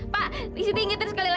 pak siti ingetin sekali lagi ya